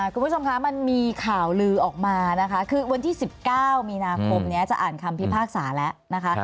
คุณผู้ชมคะมันมีข่าวลือออกมานะคะคือวันที่๑๙มีนาคมนี้จะอ่านคำพิพากษาแล้วนะคะ